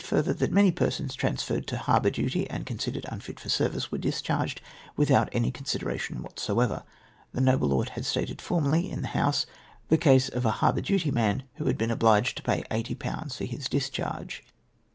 287 further that many persons transferred to harbour duty, and considered untit for service, were discharged without any con sideration whatsoever. Tiie noble lord had stated formerly in the House the case of a harbour duty man who had been obliged to pay 80/. for his discharge.